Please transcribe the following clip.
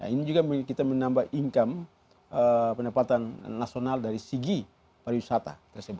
ini juga kita menambah income pendapatan nasional dari segi pariwisata tersebut